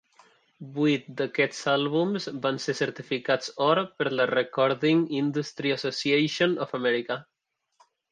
Vuit d'aquests àlbums van ser certificats or per la Recording Industry Association of America.